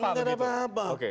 tidak ada apa apa